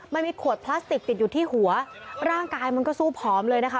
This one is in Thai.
มันมีขวดพลาสติกติดอยู่ที่หัวร่างกายมันก็สู้ผอมเลยนะคะ